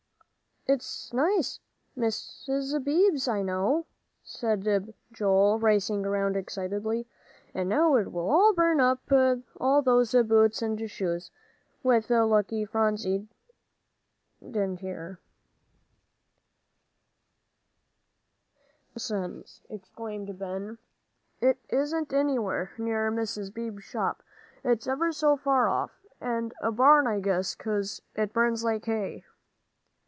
"It's nice Mrs. Beebe's, I know," said Joel, racing around excitedly. "And now it will burn up all those boots and shoes," which, luckily, Phronsie didn't hear. "Nonsense!" exclaimed Ben, "it isn't anywhere near Mr. Beebe's shop. It's ever so far off. And a barn, I guess, 'cause it burns like hay."